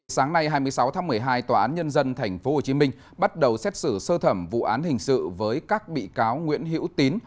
sáng nay hai mươi sáu tháng một mươi hai tòa án nhân dân tp hcm bắt đầu xét xử sơ thẩm vụ án hình sự với các bị cáo nguyễn hữu tín